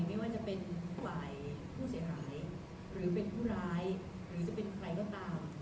ไม่ว่าจะเป็นฝ่ายผู้เสียหายหรือเป็นผู้ร้ายหรือจะเป็นใครก็ตาม